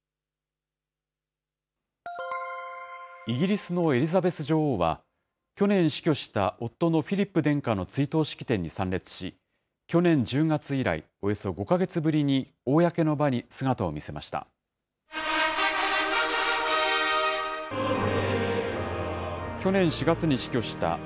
イギリスのエリザベス女王は、去年死去した夫のフィリップ殿下の追悼式典に参列し、去年１０月以来、およそ５か月ぶりに公の場に姿を見せました。